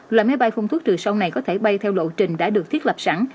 loại máy bay không thuốc trừ sâu này có thể bay theo lộ trình đã được thiết lập sẵn